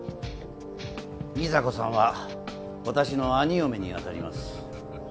美沙子さんは私の兄嫁にあたります。